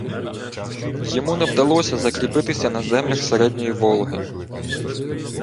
Йому не вдалося закріпитися на землях середньої Волги